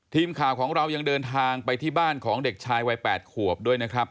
ทีมข่าวของเรายังเดินทางไปที่บ้านของเด็กชายวัย๘ขวบด้วยนะครับ